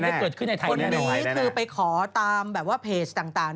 ที่เกิดขึ้นในไทยคนนี้คือไปขอตามแบบว่าเพจต่าง